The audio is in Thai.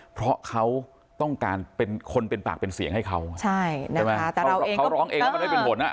เพราะเขาต้องการเป็นคนเป็นปากเป็นเสียงให้เขาใช่นะคะแต่เราเองเขาร้องเองว่ามันไม่เป็นผลอ่ะ